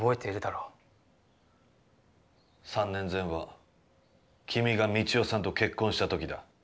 「三年前は君が三千代さんと結婚した時だ」。